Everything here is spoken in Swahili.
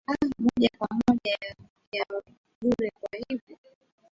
aa moja kwa moja yehee bure kwa hivyo